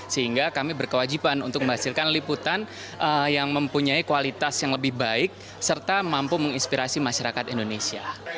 sehingga kami berkewajiban untuk menghasilkan liputan yang mempunyai kualitas yang lebih baik serta mampu menginspirasi masyarakat indonesia